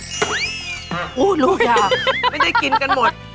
โอโฮลูกไม่ได้กินกันหมด